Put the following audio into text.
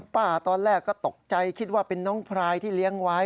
ตอนแรกก็ตกใจคิดว่าเป็นน้องพรายที่เลี้ยงไว้